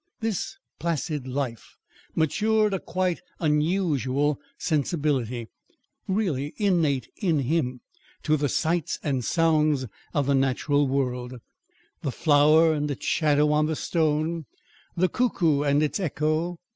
This placid life matured a quite unusual sensibility, really innate in him, to the sights and sounds of the natural world the flower and its shadow on the stone, the cuckoo and its echo.